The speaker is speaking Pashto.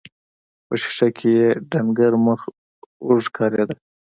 په ښيښه کې يې ډنګر مخ اوږد ښکارېده.